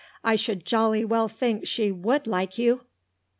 I should jolly well think she would like you!"